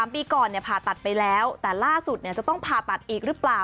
ปีก่อนผ่าตัดไปแล้วแต่ล่าสุดจะต้องผ่าตัดอีกหรือเปล่า